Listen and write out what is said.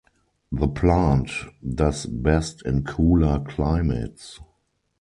The plant does best in cooler climates.